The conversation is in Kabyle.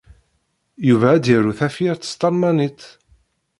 Yuba ad d-yaru tafyirt s talmanit.